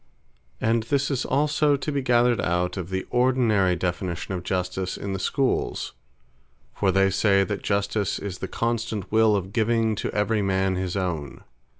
And this is also to be gathered out of the ordinary definition of Justice in the Schooles: For they say, that "Justice is the constant Will of giving to every man his own."